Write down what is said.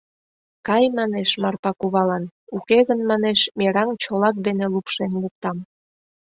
Кай, манеш Марпа кувалан, уке гын, манеш, мераҥ чолак дене лупшен луктам!